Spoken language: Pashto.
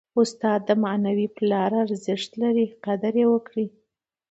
استاد د معنوي پلار ارزښت لري. قدر ئې وکړئ!